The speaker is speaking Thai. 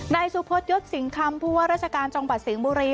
ในสุพธยศสิงคำพูดว่ารัชกาลจังหวัดสิงค์บุรี